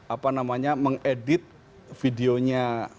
apa namanya mengedit videonya